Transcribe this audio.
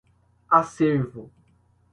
acervo